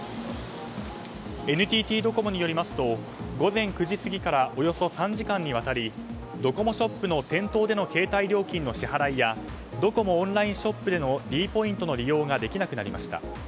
ＮＴＴドコモによりますと午前９時過ぎからおよそ３時間にわたりドコモショップの店頭での携帯料金の支払いやドコモオンラインショップでのｄポイントの利用ができなくなりました。